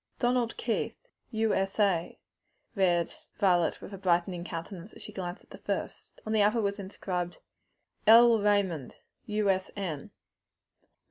"'Donald Keith, U.S.A.,'" read Violet with a brightening countenance, as she glanced at the first. On the other was inscribed, "L. Raymond, U.S.N."